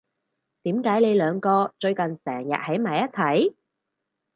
點解你兩個最近成日喺埋一齊？